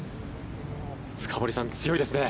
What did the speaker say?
深堀さん、強いですね。